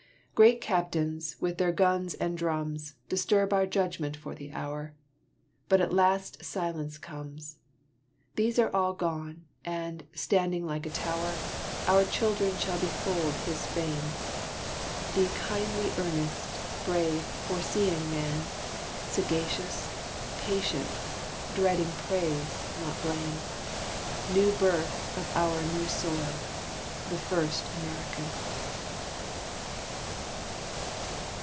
Great captains, with their guns and drums, Disturb our judgment for the hour, But at last silence comes; These all are gone, and, standing like a tower, Our children shall behold his fame, The kindly earnest, brave, foreseeing man, Sagacious, patient, dreading praise, not blame, New birth of our new soil, the first American.